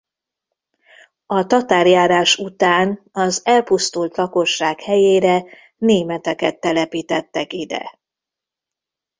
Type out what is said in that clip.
A tatárjárás után az elpusztult lakosság helyére németeket telepítettek ide.